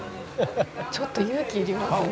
「ちょっと勇気いりますね」